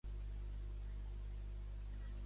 L'actual comissari és el maltès John Dalli.